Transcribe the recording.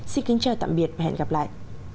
xin kính chào tạm biệt và hẹn gặp lại